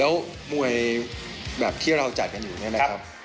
แล้วมวยแบบที่เราจัดอยู่นะครับ